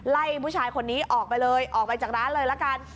ไล่ผู้ชายคนนี้ออกไปเลยออกไปจากร้านเลยละกัน